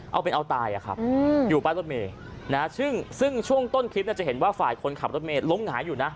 เอาเป็นเอาตายอะครับอยู่ป้ายรถเมย์ซึ่งช่วงต้นคลิปจะเห็นว่าฝ่ายคนขับรถเมย์ล้มหงายอยู่นะ